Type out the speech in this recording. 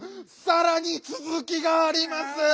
さらにつづきがあります！